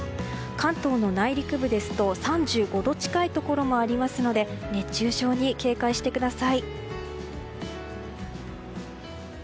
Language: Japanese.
関東の内陸部ですと３５度近いところもありますので熱中症に警戒してください。